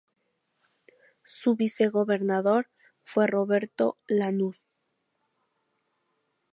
Su vicegobernador fue Roberto Lanús.